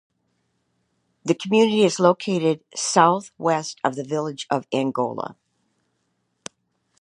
The community is located southwest of the village of Angola.